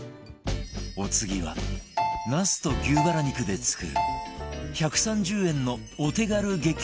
お次はナスと牛バラ肉で作る１３０円のお手軽激うまおかず